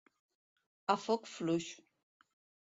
A foc fluix.